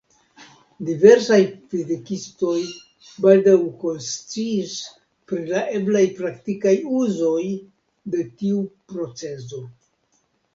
Diversaj fizikistoj baldaŭ konsciis pri la eblaj praktikaj uzoj de tiu procezo.